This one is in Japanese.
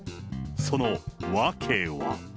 その訳は。